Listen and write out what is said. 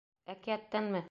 — Әкиәттәнме?